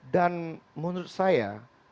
dan menurut saya